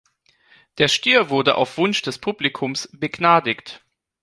Der Stier wurde auf Wunsch des Publikums begnadigt.